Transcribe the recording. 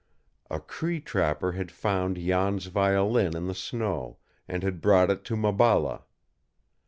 A Cree trapper had found Jan's violin in the snow, and had brought it to Maballa.